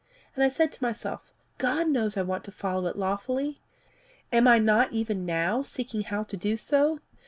And I said to myself, 'God knows I want to follow it lawfully. Am I not even now seeking how to do so?